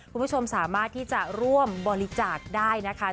คุณผู้ชมสามารถที่จะร่วมบริจาคได้นะคะ